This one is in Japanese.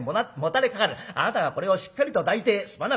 あなたがこれをしっかりと抱いて『すまなかった。